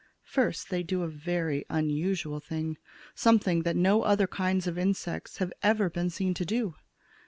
First, they do a very unusual thing; something that no other kinds of insects have ever been seen to do.